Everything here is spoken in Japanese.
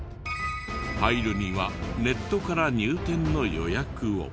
入るにはネットから入店の予約を。